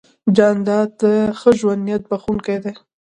جانداد د ښه نیت بښونکی دی.